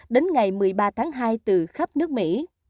đến ngày một mươi ba tháng hai từ khắp nước mỹ